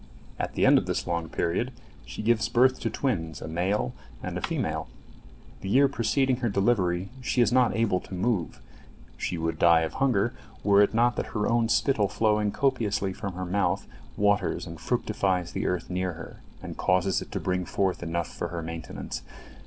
At the end of this long period she gives birth to twins, a male and a female. The year preceding her delivery she is not able to move. She would die of hunger, were it not that her own spittle flowing copiously from her mouth waters and fructifies the earth near her, and causes it to bring forth enough for her maintenance.